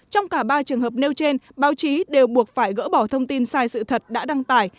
trong cả ba trường hợp nêu trên báo chí đều buộc phải gỡ bỏ thông tin sai sự thật đã đăng tải